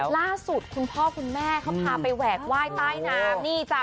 ล่าสุดคุณพ่อคุณแม่เขาข้าไปว่าว้ายใต้น้ำ